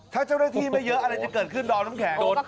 ถ้าเจ้าหน้าที่ไม่เยอะอะไรจะเกิดขึ้นดอมน้ำแข็ง